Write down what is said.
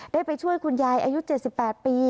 ได้ไปช่วยคุณยายอายุ๗๘ปี